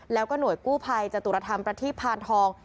แล้วก็หน่วยกู้ภัยจตุรธรรมประทีพานทอง